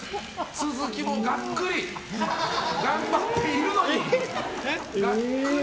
都築もがっくり。頑張っているのに。